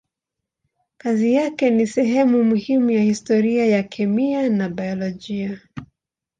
Kazi yake ni sehemu muhimu ya historia ya kemia na biolojia.